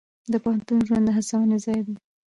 د پوهنتون ژوند د هڅونې ځای دی.